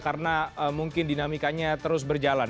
karena mungkin dinamikanya terus berjalan